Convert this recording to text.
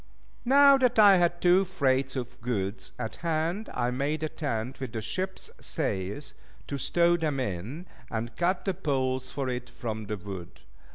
Now that I had two freights of goods at hand, I made a tent with the ship's sails, to stow them in, and cut the poles for it from the wood.